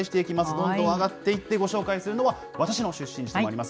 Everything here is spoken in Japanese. どんどん上がっていって、ご紹介するのは、私の出身地でもあります